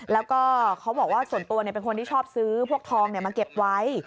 แล้วก็เขาบอกว่าส่วนตัวเป็นคนที่ชอบซื้อพวกทองมาเก็บไว้